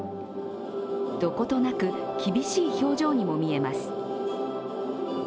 どことなく厳しい表情にもみえます。